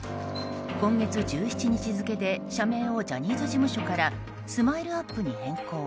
今月１７日付で社名をジャニーズ事務所からＳＭＩＬＥ‐ＵＰ．に変更。